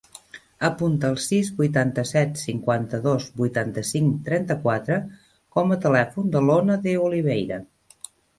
Apunta el sis, vuitanta-set, cinquanta-dos, vuitanta-cinc, trenta-quatre com a telèfon de l'Ona De Oliveira.